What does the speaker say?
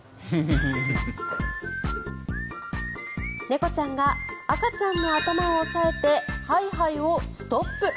猫ちゃんが赤ちゃんの頭を押さえてハイハイをストップ。